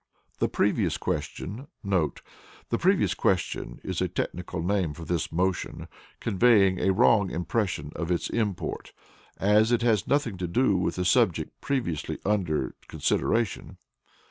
The Previous Question* [The Previous Question is a technical name for this motion, conveying a wrong impression of its import, as it has nothing to do with the subject previously under consideration.